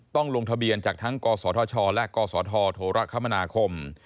ลงทะเบียนจากทั้งกศธชและกศธโทรคมนาคม